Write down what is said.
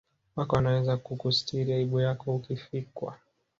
wako anaweza kukustiri aibu yako ukifikwa